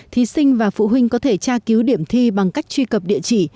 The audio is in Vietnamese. thí sinh và phụ huynh có thể tra cứu điểm thi bằng cách truy cập địa chỉ